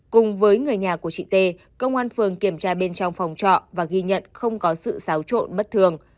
cùng với người nhà của chị tê công an phường kiểm tra bên trong phòng trọ và ghi nhận không có sự xáo trộn bất thường